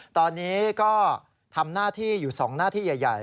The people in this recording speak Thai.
ตอนนี้ก็ทำหน้าที่อยู่๒หน้าที่ใหญ่